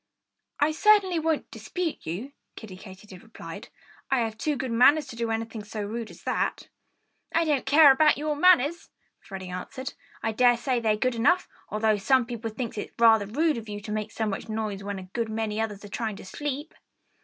"I certainly won't dispute you," Kiddie Katydid replied. "I have too good manners to do anything so rude as that." "I don't care about your manners," Freddie answered. "I dare say they're good enough, although some people think it's rather rude of you to make so much noise when a good many others are trying to sleep."